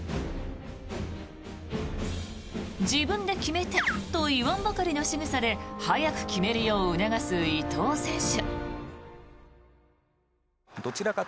自分で決めてと言わんばかりのしぐさで早く決めるよう促す伊藤選手。